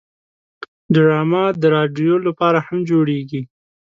ډرامه د رادیو لپاره هم جوړیږي